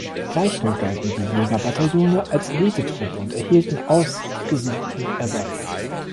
Gleichwohl galten die Jägerbataillone als Elitetruppe und erhielten ausgesuchten Ersatz.